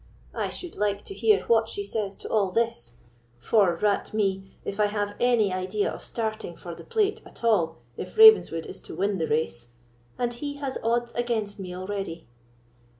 I should like to hear what she says to all this; for, rat me! if I have any idea of starting for the plate at all if Ravenswood is to win the race, and he has odds against me already."